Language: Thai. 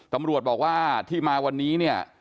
ตำรวจบอกว่าที่มาวันนี้เนี่ย